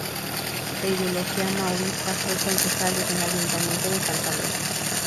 De ideología maurista, fue concejal en el Ayuntamiento de Santander.